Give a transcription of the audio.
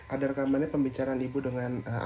ada rekamannya pembicaraan ibu dengan anggota kpud ntt